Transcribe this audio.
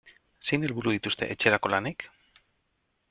Zein helburu dituzte etxerako lanek?